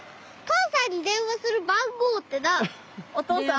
お父さん？